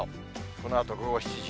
このあと午後７時。